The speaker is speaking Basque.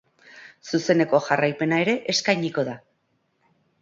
Zuzeneko jarraipena ere eskainiko da.